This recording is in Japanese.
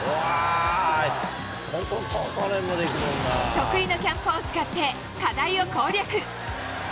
得意のキャンパを使って、課題を攻略。